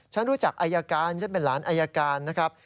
ฉันรู้จักอายการฉันเป็นหลานอายการนะครับ